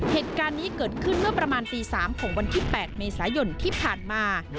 เหตุการณ์นี้เกิดขึ้นเมื่อประมาณตี๓ของวันที่๘เมษายนที่ผ่านมา